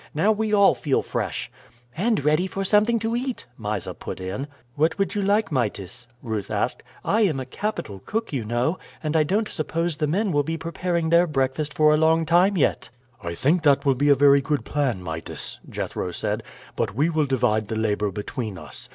Now we all feel fresh." "And ready for something to eat," Mysa put in. "What would you like, Mytis?" Ruth asked. "I am a capital cook, you know, and I don't suppose the men will be preparing their breakfast for a long time yet." "I think that will be a very good plan, Mytis," Jethro said; "but we will divide the labor between us.